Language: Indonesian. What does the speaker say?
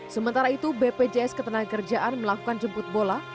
sementara itu bpjs ketenagakerjaan melakukan jemput bola